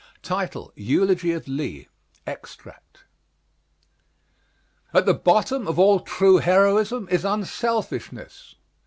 EULOGY OF LEE (Extract) At the bottom of all true heroism is unselfishness.